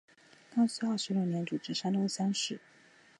康熙二十六年主持山东乡试。